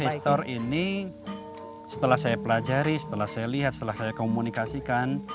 in store ini setelah saya pelajari setelah saya lihat setelah saya komunikasikan